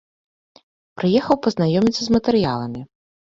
Прыехаў пазнаёміцца з матэрыяламі.